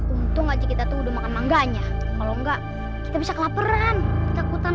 untuk ngaji kita tuh udah makan mangganya kalau enggak kita bisa kelaparan takutan